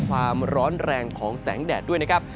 ความร้อนแรงของแสงแดดด้วยนะครับ